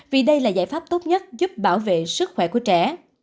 vì đây là giải pháp tốt nhất giúp bảo vệ sức khỏe của trẻ